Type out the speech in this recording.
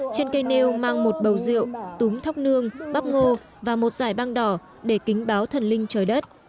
trên cây nêu mang một bầu rượu túi thóc nương bắp ngô và một giải băng đỏ để kính báo thần linh trời đất